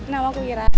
nama aku ira